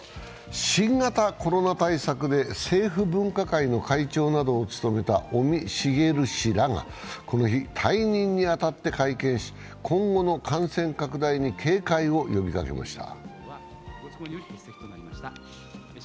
新型コロナ対策で政府分科会の会長などを務めた尾身茂氏らがこの日、退任に当たって会見し、今後の感染拡大に警戒を呼びかけました。